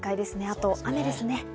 あと雨ですね。